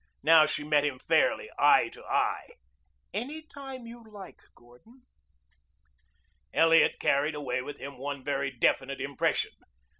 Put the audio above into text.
Now she met him fairly, eye to eye. "Any time you like, Gordon." Elliot carried away with him one very definite impression.